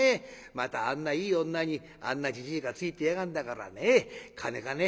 またあんないい女にあんなじじいがついていやがんだからねカネかね？